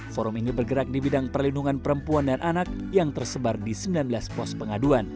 forum ini bergerak di bidang perlindungan perempuan dan anak yang tersebar di sembilan belas pos pengaduan